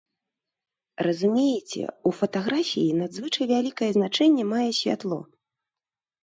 Разумееце, у фатаграфіі надзвычай вялікае значэнне мае святло.